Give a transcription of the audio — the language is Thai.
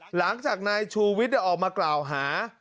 หลังจากนายชูวิทย์ออกมากล่าวหา